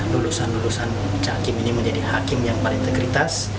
lulusan lulusan cakim ini menjadi hakim yang berintegritas